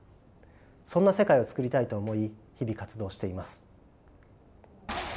そんな世界を作りたいと思い日々活動しています。